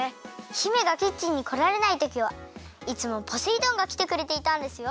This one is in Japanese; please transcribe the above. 姫がキッチンにこられないときはいつもポセイ丼がきてくれていたんですよ。